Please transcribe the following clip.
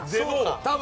多分。